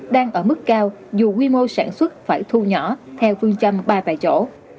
đang ở mức cao dù quy mô sản xuất phải thu nhỏ theo phương châm ba tại chỗ